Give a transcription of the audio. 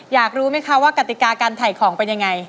อยากรู้ไหมคะว่ากติกาการถ่ายของเป็นยังไง